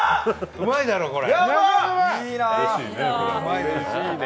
うまいだろ、これ。